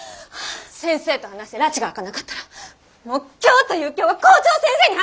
先生と話してらちが明かなかったらもう今日という今日は校長先生に話します！